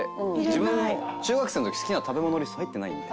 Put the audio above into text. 自分の中学生の時好きな食べ物リスト入ってないんで。